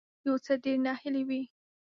یو څه ډیر ناهیلی وي